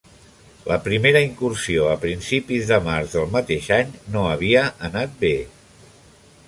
La primera incursió a principis de març del mateix any no havia anat bé.